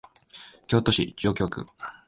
京都市上京区